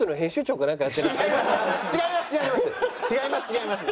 違います！